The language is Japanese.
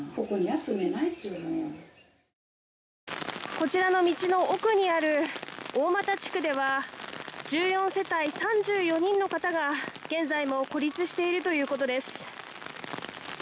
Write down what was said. こちらの道の奥にある大俣地区では１４世帯３４人の方が現在も孤立しているということです。